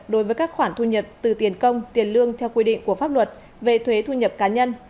đối với các khoản thu nhập từ tiền công tiền lương theo quy định của pháp luật về thuế thu nhập cá nhân